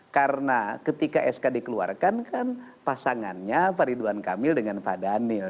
karena ketika sk dikeluarkan kan pasangannya pak ridwan kamil dengan pak daniel